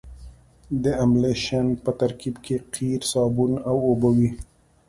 د املشن په ترکیب کې قیر صابون او اوبه وي